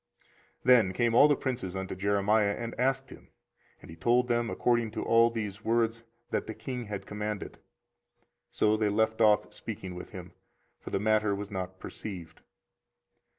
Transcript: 24:038:027 Then came all the princes unto Jeremiah, and asked him: and he told them according to all these words that the king had commanded. So they left off speaking with him; for the matter was not perceived.